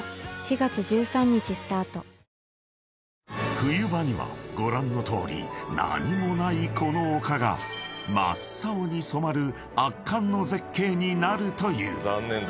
［冬場にはご覧のとおり何もないこの丘が真っ青に染まる圧巻の絶景になるという］